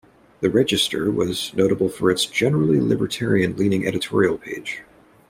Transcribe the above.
The "Register" was notable for its generally libertarian-leaning editorial page.